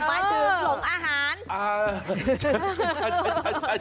หมายถึงหลงอาหาร